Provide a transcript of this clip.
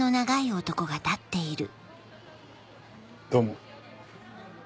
どうも。